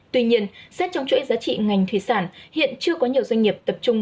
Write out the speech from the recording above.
tuy nhiên xét trong chuỗi giá trị ngành thủy sản hiện chưa có nhiều doanh nghiệp tập trung